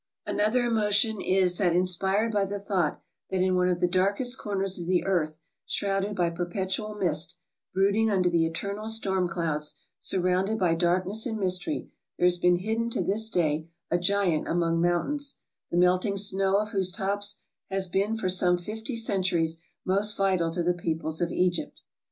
Another emotion is that inspired by the thought that in one of the darkest corners of the earth, shrouded by perpetual mist, brooding under the eternal storm clouds, surrounded by darkness and mystery, there has been hidden to this day a giant among mountains, the melting snow of whose tops has been for some fifty centuries most vital to the peoples of Egypt.